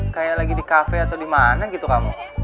kayak lagi di kafe atau di mana gitu kamu